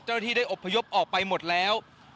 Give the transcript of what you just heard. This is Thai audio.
เจ้าหน้าที่ได้อบพยพออกไปหมดแล้ว